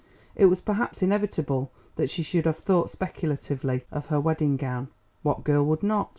It was perhaps inevitable that she should have thought speculatively of her wedding gown; what girl would not?